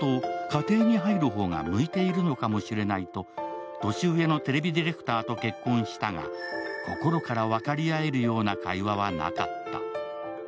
家庭に入る方が向いているのかもしれないと年上のテレビディレクターと結婚したが、心から分かり合えるような会話はなかった。